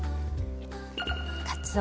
かつお。